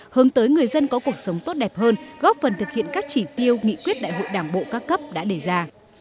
hướng tới người dân có cuộc sống tốt đẹp hơn góp phần thực hiện các chỉ tiêu nghị quyết đại hội đảng bộ các cấp đã đề ra